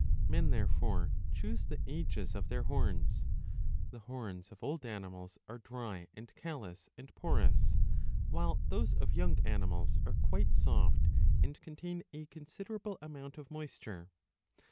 Men, therefore, choose the ages of their horns ; the horns of old animals are dry and callous and porous, while those of young animals are quite soft and contain a considerable amount of moisture.